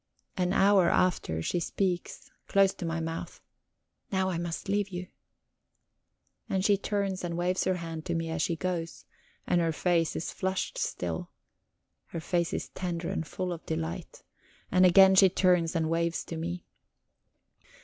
An hour after, she speaks, close to my mouth: "Now I must leave you." And she turns and waves her hand to me as she goes, and her face is flushed still; her face is tender and full of delight. And again she turns and waves to me.